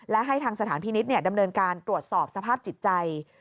และให้ทางสถานพินิษฐ์ดำเนินการตรวจสอบสภาพจิตใจ